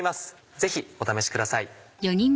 ぜひお試しください。